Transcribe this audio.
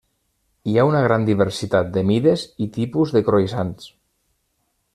Hi ha una gran diversitat de mides i tipus de croissants.